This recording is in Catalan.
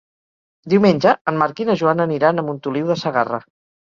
Diumenge en Marc i na Joana aniran a Montoliu de Segarra.